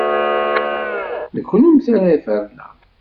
D kennemti ara ferneɣ!